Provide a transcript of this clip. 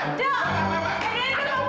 tante dulu pak